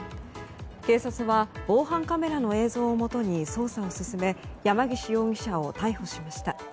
警察は防犯カメラの映像をもとに捜査を進め山岸容疑者を逮捕しました。